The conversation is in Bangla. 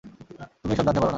তুমি এসব জানতে পারো না।